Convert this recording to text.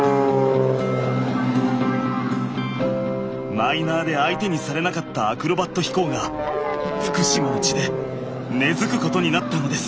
マイナーで相手にされなかったアクロバット飛行が福島の地で根づくことになったのです。